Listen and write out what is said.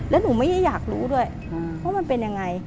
แล้วหนูไม่ได้อยากรู้ด้วยว่ามันเป็นยังไง